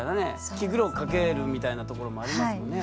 気苦労をかけるみたいなところもありますもんね。